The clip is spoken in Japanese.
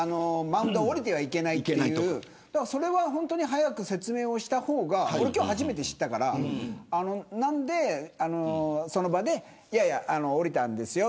マウンドを降りてはいけないというそれは本当に早く説明をした方が俺、今日初めて知ったから何でその場で降りたんですよ